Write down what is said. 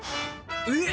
えっ！